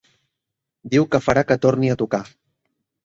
Diu que farà que torni a tocar!